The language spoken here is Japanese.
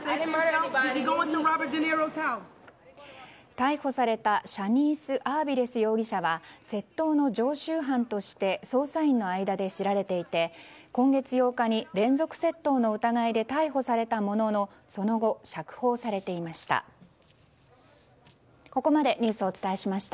逮捕されたシャニース・アービレス容疑者は窃盗の常習犯として捜査員の間で知られていて今月８日に連続窃盗の疑いで逮捕されたもののその後、釈放されていました。